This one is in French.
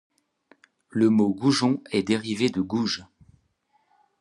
Le mot goujon est dérivé de gouge.